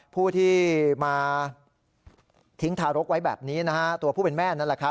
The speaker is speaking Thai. ผู้ที่มาทิ้งทารกไว้แบบนี้ตัวผู้เป็นแม่น